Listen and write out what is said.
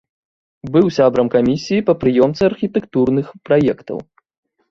Быў сябрам камісіі па прыёмцы архітэктурных праектаў.